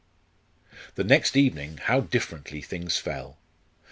Then next evening how differently things fell!